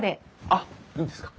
あっいいんですか？